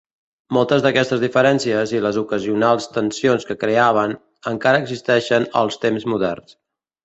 Moltes d'aquestes diferències, i les ocasionals tensions que creaven, encara existeixen als temps moderns.